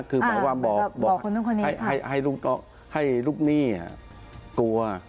คือหมายว่าบอกให้ลูกหนี้กลัว